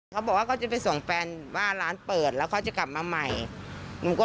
ข้ากลับมากินอีกขอแจยไว้ก่อน